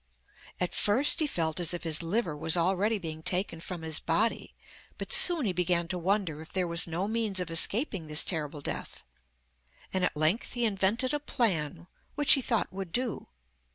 At first he felt as if his liver was already being taken from his body, but soon he began to wonder if there was no means of escaping this terrible death, and at length he invented a plan which he thought would do.